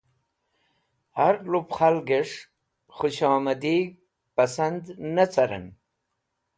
Har lup Khalges̃h Khush Omadig̃he pasand ne caren